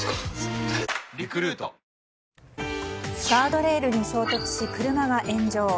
ガードレールに衝突し車が炎上。